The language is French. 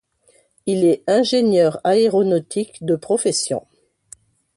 Il est ingénieur aéronautique de profession.